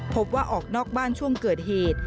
ออกนอกบ้านช่วงเกิดเหตุ